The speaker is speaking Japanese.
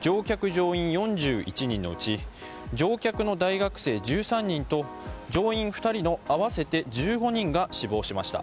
乗客・乗員４１人のうち乗客の大学生１３人と乗員２人の合わせて１５人が死亡しました。